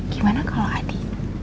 gimana kalau adi